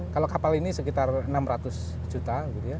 kalau kapal ini sekitar enam ratus juta